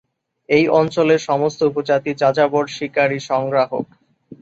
এই অঞ্চলে সমস্ত উপজাতি যাযাবর শিকারী সংগ্রাহক।